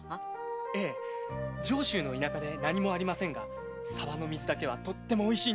ええ上州の田舎で何もありませんが沢の水だけはとってもおいしいんですよ。